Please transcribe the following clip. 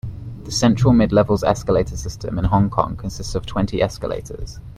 The Central-Midlevels escalator system in Hong Kong consists of twenty escalators.